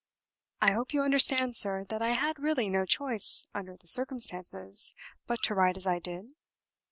"I hope you understand, sir, that I had really no choice under the circumstances but to write as I did?"